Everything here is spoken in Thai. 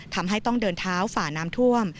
ทำให้ต้องเดินเท้าฝ่าน้ำท่วม